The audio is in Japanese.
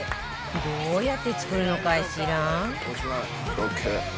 どうやって作るのかしら？